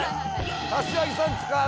柏木さん使う。